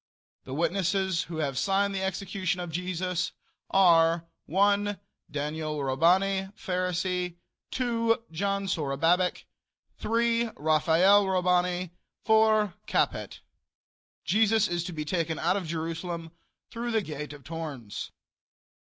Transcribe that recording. The witnesses who have signed the execution of Jesus are: 1. Daniel Robani, Pharisee. 2. John Zorobabic. 3. Raphael Robani. 4. Capet. Jesus is to be taken out of Jerusalem through the gate of Tournes.